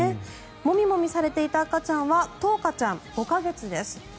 モミモミされていた赤ちゃんはとうかちゃん、５か月です。